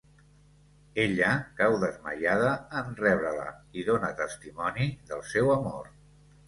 Ella cau desmaiada en rebre-la i dóna testimoni del seu amor.